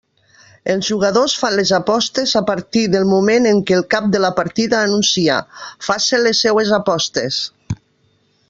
Els jugadors fan les apostes a partir del moment en què el cap de la partida anuncia «facen les seues apostes».